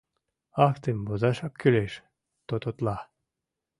— Актым возашак кӱлеш, — тототла.